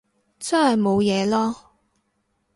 真係冇嘢囉